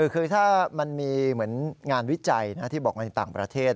คือถ้ามันมีเหมือนงานวิจัยที่บอกมาในต่างประเทศ